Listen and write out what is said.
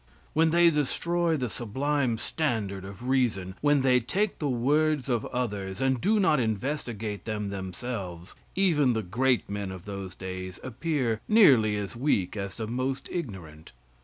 When they destroy the sublime standard of reason; when they take the words of others and do not investigate them themselves, even the great men of those days appear nearly as weak as the most ignorant.